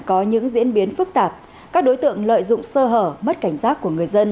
có những diễn biến phức tạp các đối tượng lợi dụng sơ hở mất cảnh giác của người dân